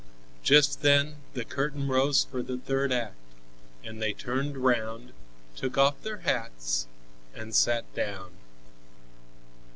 Just then the curtain rose for the third act, and they turned round, took off their hats and sat down.